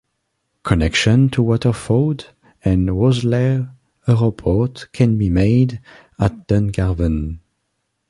Connections to Waterford and Rosslare Europort can be made at Dungarvan.